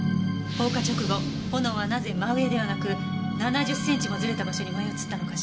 放火直後炎はなぜ真上ではなく７０センチもずれた場所に燃え移ったのかしら？